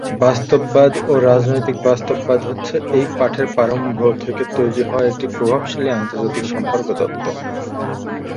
বাস্তববাদ বা রাজনৈতিক বাস্তববাদ হচ্ছে এই পাঠের প্রারম্ভ থেকে তৈরি হওয়া একটি প্রভাবশালী আন্তর্জাতিক সম্পর্ক তত্ত্ব।